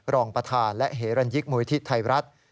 รองประธานและเหรันยิกมุยธิไทยรัฐ